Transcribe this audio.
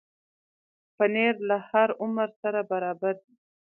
پنېر له هر عمر سره برابر دی.